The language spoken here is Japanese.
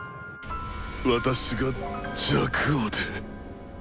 私が若王で。